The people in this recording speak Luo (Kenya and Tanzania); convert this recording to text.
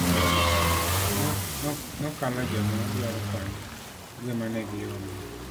Nokalo joma ne dwaro kony ka gima ne gi ong'e.